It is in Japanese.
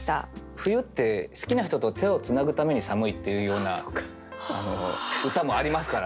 冬って好きな人と手をつなぐために寒いっていうような歌もありますからね。